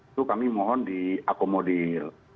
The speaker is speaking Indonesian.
itu kami mohon diakomodir